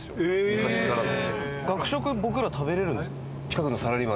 昔からの。